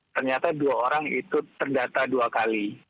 ternyata dua orang itu terdata dua kali